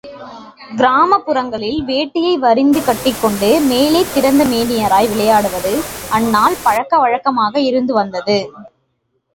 கிராமப்புரங்களில் வேட்டியை வரிந்து கட்டிக்கொண்டு, மேலே திறந்த மேனியராய் விளையாடுவது அந்நாள் பழக்க வழக்கமாக இருந்து வந்தது.